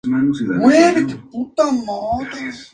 Se lo conoció como el "Lindbergh de Rusia".